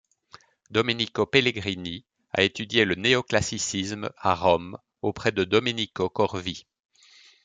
Domenico Pellegrini a étudié le néoclassicisme à Rome auprès de Domenico Corvi.